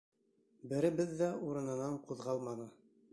Беребеҙ ҙә урынынан ҡуҙғалманы.